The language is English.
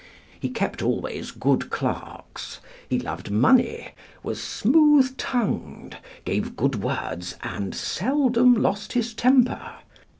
He kept always good clerks, he loved money, was smooth tongued, gave good words, and seldom lost his temper.